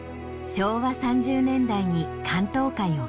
昭和３０年代に竿燈会を結成。